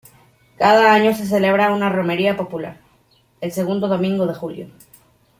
Cada año se celebra una romería popular, el segundo domingo de julio.